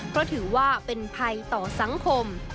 เพราะถือว่าเป็นภัยต่อสังคม